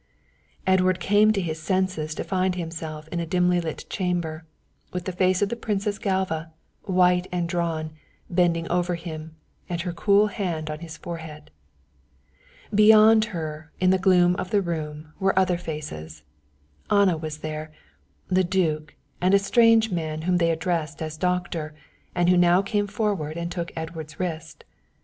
Edward came to his senses to find himself in a dimly lit chamber, with the face of the Princess Galva, white and drawn, bending over him, and her cool hand on his forehead. Beyond her, in the gloom of the room, were other faces. Anna was there, and the duke, and a strange man whom they addressed as doctor, and who now came forward and took Edward's wrist.